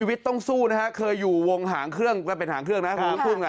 ชีวิตต้องสู้นะฮะเคยอยู่วงหางเครื่องแล้วเป็นหางเครื่องนะหางพึ่งอ่ะ